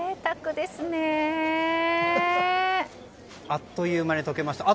あっという間にとけました。